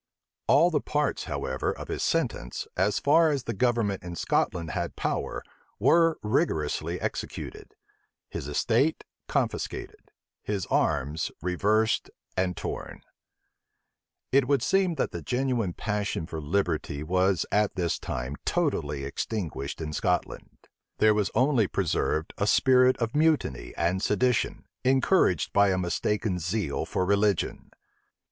[*] All the parts, however, of his sentence, as far as the government in Scotland had power, were rigorously executed; his estate confiscated, his arms reversed and torn. * Burnet, vol. i. p. 522. It would seem, that the genuine passion for liberty was at this time totally extinguished in Scotland: there was only preserved a spirit of mutiny and sedition, encouraged by a mistaken zeal for religion.